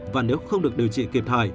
và nếu không được điều trị kịp thời